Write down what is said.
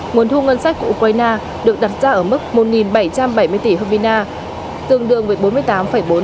nguồn thu ngân sách của ukraine được đặt ra ở mức một bảy trăm bảy mươi tỷ hrvina tương đương với bốn mươi tám bốn tỷ usd